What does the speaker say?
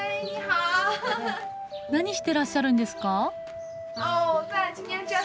何してらっしゃるんですか？